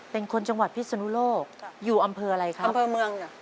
เป็นคนจังหวัดพิศนุโลกอยู่อำเภออะไรครับอำเภอเมือง